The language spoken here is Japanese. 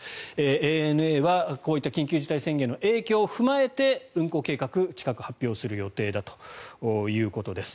ＡＮＡはこういった緊急事態宣言の影響を踏まえて運航計画を近く発表する予定だということです。